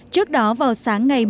trước đó vào sáng ngày